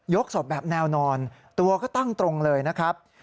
ศพแบบแนวนอนตัวก็ตั้งตรงเลยนะครับ